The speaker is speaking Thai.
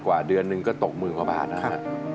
๑๓๐๐๐กว่าเดือนหนึ่งก็ตก๑๐๐๐๐กว่าบาทครับ